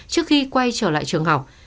trước khi quay trở lại trường học